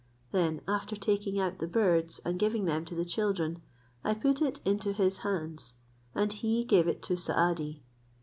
Then after taking out the birds, and giving them to the children, I put it into his hands, and he gave it to Saadi.